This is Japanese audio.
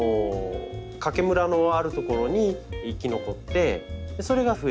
かけむらのある所に生き残ってそれがふえて。